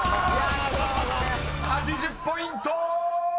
［８０ポイント！］